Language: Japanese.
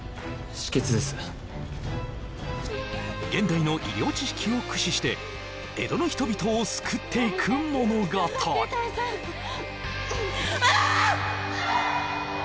止血です現代の医療知識を駆使して江戸の人々を救っていく物語ああっ！